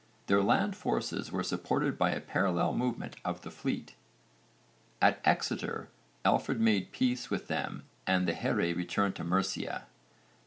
Their land forces were supported by a parallel movement of the fleet. At Exeter Alfred made peace with them and the here returned to Mercia.